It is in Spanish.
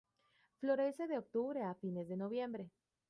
Florece de octubre a fines de noviembre.